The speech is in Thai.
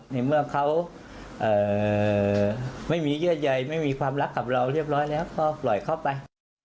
ในเมื่อเขาไม่มีเยื่อใยไม่มีความรักกับเราเรียบร้อยแล้วก็ปล่อยเข้าไป